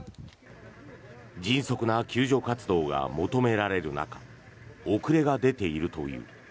迅速な救助活動が求められる中遅れが出ているという。